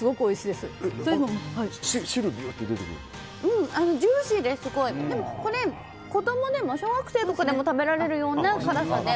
でもこれ、小学生の子でも食べられるような辛さで。